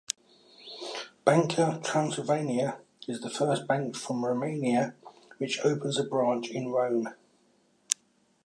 Banca Transilvania is the first bank from Romania which opens a branch in Rome.